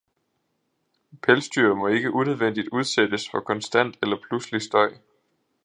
Pelsdyr må ikke unødvendigt udsættes for konstant eller pludselig støj.